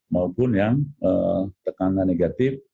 maupun yang tekanan negatif